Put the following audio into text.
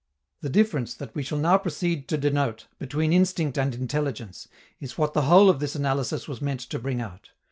The difference that we shall now proceed to denote between instinct and intelligence is what the whole of this analysis was meant to bring out.